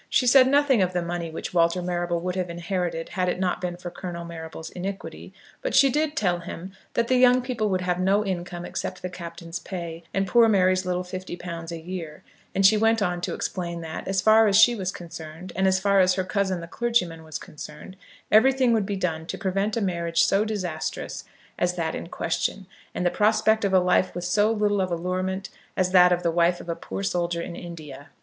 She said nothing of the money which Walter Marrable would have inherited had it not been for Colonel Marrable's iniquity; but she did tell him that the young people would have no income except the Captain's pay, and poor Mary's little fifty pounds a year; and she went on to explain that, as far as she was concerned, and as far as her cousin the clergyman was concerned, everything would be done to prevent a marriage so disastrous as that in question, and the prospect of a life with so little of allurement as that of the wife of a poor soldier in India.